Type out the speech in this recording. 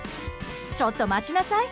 ちょっと待ちなさい。